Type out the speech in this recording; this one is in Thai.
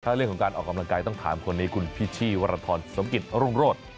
ถ้าเรื่องของการออกกำลังกายต้องถามคนนี้คุณพิชชี่วรทรสมกิจรุ่งโรธ